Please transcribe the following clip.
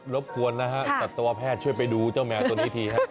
บกวนนะฮะสัตวแพทย์ช่วยไปดูเจ้าแมวตัวนี้ทีฮะ